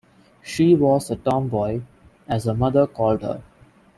She was a 'tomboy', as her mother called her.